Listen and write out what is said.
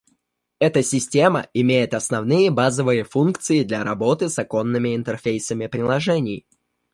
Эта система имеет основные базовые функции для работы с оконными интерфейсами приложений